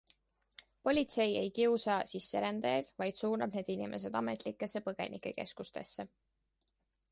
Politsei ei kiusa sisserändajaid, vaid suunab need inimesed ametlikesse põgenikekeskustesse.